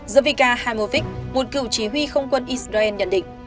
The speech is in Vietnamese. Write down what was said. zavika haimovic một cựu chí huy không quân israel nhận định